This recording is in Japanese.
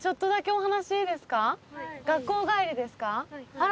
あら。